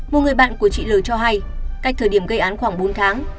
một người bạn của chị l cho hay cách thời điểm gây án khoảng bốn tháng